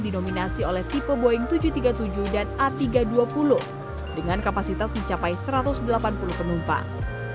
didominasi oleh tipe boeing tujuh ratus tiga puluh tujuh dan a tiga ratus dua puluh dengan kapasitas mencapai satu ratus delapan puluh penumpang